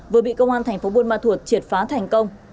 vừa bị công an tp buôn ma thuột triệt phá thành công